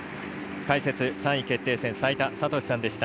解説、３位決定戦齋田悟司さんでした。